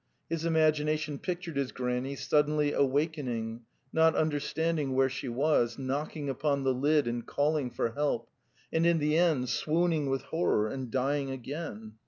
His imagination pictured his granny suddenly awakening, not under standing where she was, knocking upon the lid and calling for help, and in the end swooning with horror and dying again.